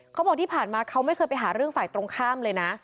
เขาบอกที่ผ่านมาเขาไม่เคยไปหาเรื่องฝ่ายตรงข้ามเลยนะ